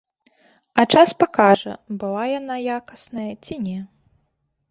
А час пакажа, была яна якасная, ці не.